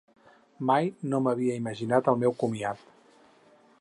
Mai no m’havia imaginat el meu comiat.